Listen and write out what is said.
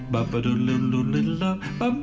ปะปะไปดูไปดูมะพร้าวกัน